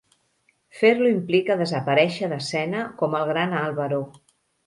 Fer-lo implica desaparèixer d'escena, com el gran Álvaro.